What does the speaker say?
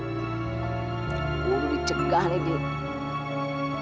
gue udah dicegah nih dik